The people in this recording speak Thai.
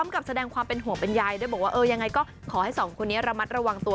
กับแสดงความเป็นห่วงเป็นใยด้วยบอกว่าเออยังไงก็ขอให้สองคนนี้ระมัดระวังตัว